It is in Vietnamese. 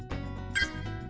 hẹn gặp lại